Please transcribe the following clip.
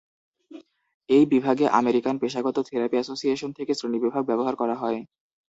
এই বিভাগে, আমেরিকান পেশাগত থেরাপি এসোসিয়েশন থেকে শ্রেণীবিভাগ ব্যবহার করা হয়।